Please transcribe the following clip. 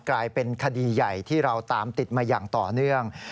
กลายเป็นคดีใหญ่ที่เราตามติดมาอย่างต่อเนื่อง